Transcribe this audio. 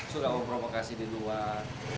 suka memprovokasi di luar